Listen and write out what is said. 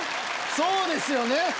そうですよね！